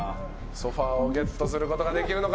ソファをゲットすることができるのか。